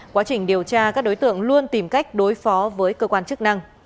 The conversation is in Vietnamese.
quá trình điều tra các đối tượng luôn tìm cách đối phó với cơ quan chức năng